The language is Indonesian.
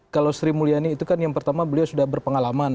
kalau sri mulyani itu kan yang pertama beliau sudah berpengalaman